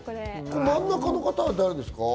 真ん中の方、何ですか？